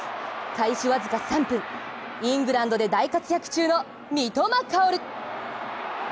開始僅か３分、イングランドで大活躍中の三笘薫。